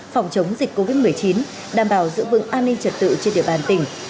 phòng chống dịch covid một mươi chín đảm bảo giữ vững an ninh trật tự trên địa bàn tỉnh